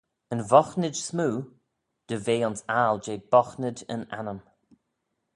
"Yn voghtnid smoo; dy ve ayns aggle jeh boghtnid yn annym."